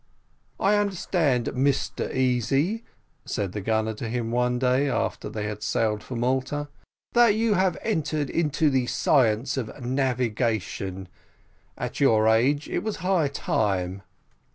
"I understand, Mr Easy," said the gunner to him one day, after they had sailed for Malta, "that you have entered into the science of navigation at your age it was high time."